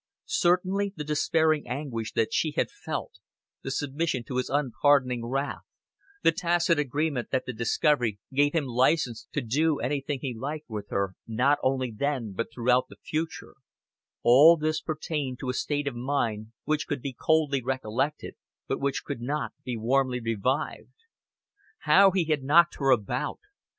Certainly the despairing anguish that she had felt, the submission to his unpardoning wrath, the tacit agreement that the discovery gave him license to do anything he liked with her, not only then but throughout the future all this pertained to a state of mind which could be coldly recollected, but which could not be warmly revived. How he had knocked her about!